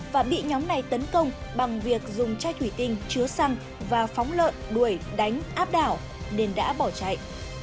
và bị nhóm này tấn công bằng việc dùng chai thủy tinh chứa xăng và phóng lợn đuổi đánh áp đảo nên đã bỏ chạy